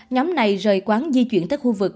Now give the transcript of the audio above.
nhóm này rời quán di chuyển tới khu vực